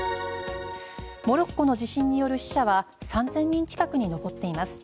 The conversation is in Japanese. モロッコの地震による死者は３０００人近くに上っています。